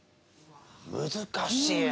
難しいな。